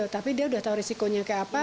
tapi dia udah tahu resikonya kayak apa